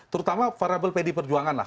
terutama variable pdi perjuangan lah